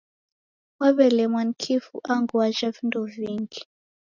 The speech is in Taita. Waw'elumwa ni kifu angu wajha vindo vingi.